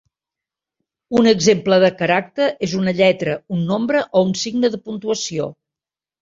Un exemple de caràcter és una lletra, un nombre o un signe de puntuació.